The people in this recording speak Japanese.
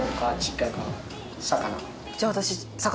じゃあ私魚！